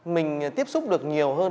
mình tiếp xúc được nhiều hơn